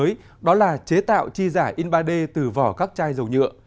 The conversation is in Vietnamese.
sản phẩm đầu tiên mới đó là chế tạo chi giải in ba d từ vỏ các chai dầu nhựa